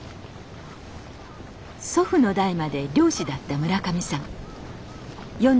祖父の代まで漁師だった村上さん。